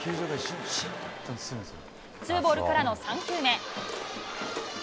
ツーボールからの３球目。